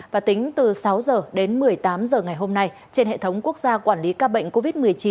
và tính từ sáu h đến một mươi tám h ngày hôm nay trên hệ thống quốc gia quản lý ca bệnh covid một mươi chín